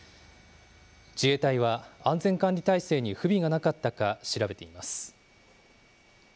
自衛隊は安全管理態勢に不備がなかったか調べています。